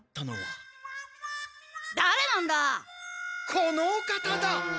このお方だ！